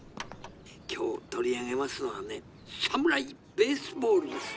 「今日取り上げますのはね『サムライ・ベースボール』です。